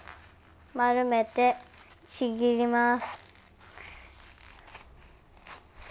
丸めてちぎります。